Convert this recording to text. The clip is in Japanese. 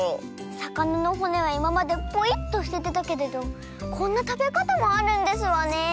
さかなのほねはいままでポイっとすててたけれどこんなたべかたもあるんですわね。